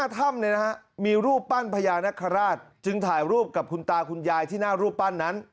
ถ้ำมีรูปปั้นพญานคราชจึงถ่ายรูปกับคุณตาคุณยายที่หน้ารูปปั้นนั้น